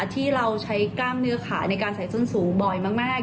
ที่เราใช้กล้ามเนื้อขาในการใส่ส้นสูงบ่อยมาก